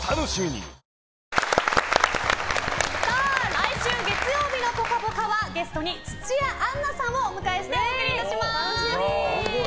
来週月曜日の「ぽかぽか」はゲストに土屋アンナさんをお迎えしてお送りいたします。